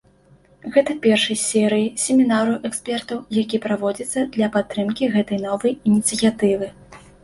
Гэта першы з серыі семінараў экспертаў, які праводзіцца для падтрымкі гэтай новай ініцыятывы.